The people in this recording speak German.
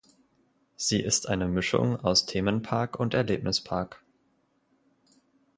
Sie ist eine Mischung aus Themenpark und Erlebnispark.